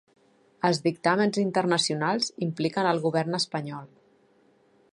Els dictàmens internacionals impliquen al govern espanyol